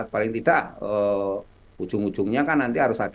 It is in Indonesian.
paling tidak ujung ujungnya kan nanti harus ada